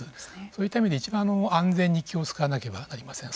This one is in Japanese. そういった意味でいちばん安全に気を使わなければなりません。